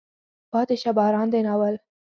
پاتې شه باران دی. ناول